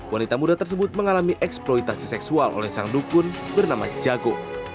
wanita muda tersebut mengalami eksploitasi seksual oleh sang dukun bernama jago